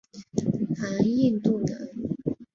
南印度人。